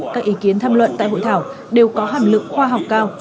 các ý kiến tham luận tại hội thảo đều có hàm lượng khoa học cao